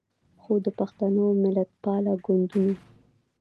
خو د پښتنو ملتپاله ګوندونو